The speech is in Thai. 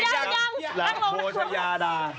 ยังยัง